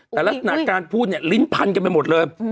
แต่ลักษณะการพูดเนี่ยลิ้นพันกันไปหมดเลย